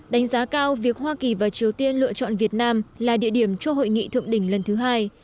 đánh giá cao việc hoa kỳ và triều tiên lựa chọn việt nam là địa điểm cho hội nghị thượng đỉnh lần thứ hai